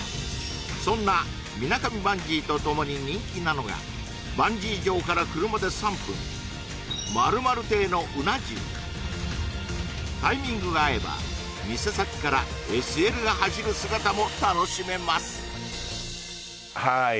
そんなみなかみバンジーとともに人気なのがバンジー場から車で３分丸丸亭のうな重タイミングが合えば店先からＳＬが走る姿も楽しめますはーい